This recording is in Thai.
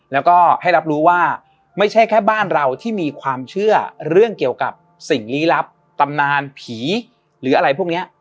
แล้วก็ให้รับรู้ว่าไม่ใช่แค่บ้านเราที่มีความเชื่อเรื่องเกี่ยวกับสิ่งลี้ลับตำนานผีหรืออะไรพวกนี้